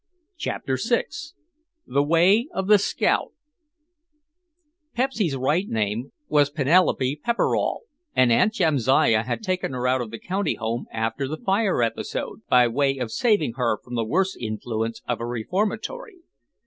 CHAPTER VI THE WAY OF THE SCOUT Pepsy's right name was Penelope Pepperall and Aunt Jamsiah had taken her out of the County Home after the fire episode, by way of saving her from the worse influence of a reformatory.